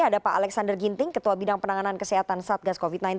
ada pak alexander ginting ketua bidang penanganan kesehatan satgas covid sembilan belas